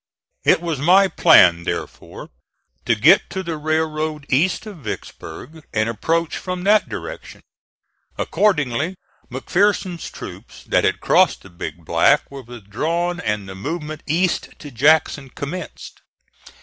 It was my plan, therefore, to get to the railroad east of Vicksburg, and approach from that direction. Accordingly, McPherson's troops that had crossed the Big Black were withdrawn and the movement east to Jackson commenced.